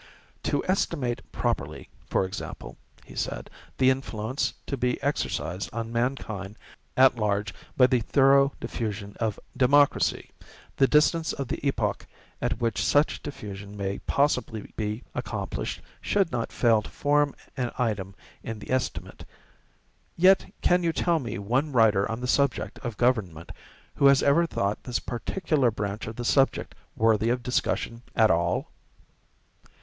"To estimate properly, for example," he said, "the influence to be exercised on mankind at large by the thorough diffusion of Democracy, the distance of the epoch at which such diffusion may possibly be accomplished should not fail to form an item in the estimate. Yet can you tell me one writer on the subject of government who has ever thought this particular branch of the subject worthy of discussion at all?"